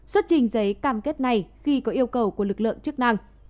xuất trình giấy cam kết này khi có yêu cầu của lực lượng chức năng